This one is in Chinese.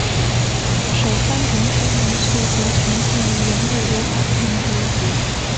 首三种血凝素则常见于人类流感病毒。